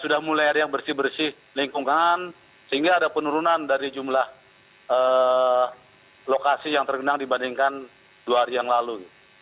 sudah mulai ada yang bersih bersih lingkungan sehingga ada penurunan dari jumlah lokasi yang tergenang dibandingkan dua hari yang lalu